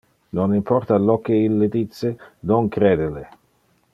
Non importa lo que ille dice, non crede le.